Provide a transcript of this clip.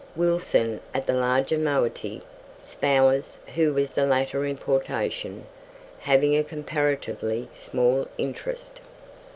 Wilson had the larger moiety; Spowers, who was the later importation, having a comparatively small interest.